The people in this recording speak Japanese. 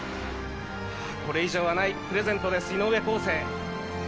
これ以上はないプレゼントです、井上康生。